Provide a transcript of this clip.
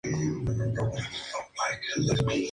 Además, se ha comprobado que es una ciudad de Arizona.